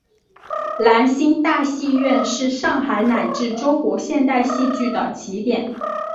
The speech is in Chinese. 兰心大戏院是上海乃至中国现代戏剧的起点。